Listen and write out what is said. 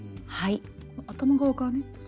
頭側からね。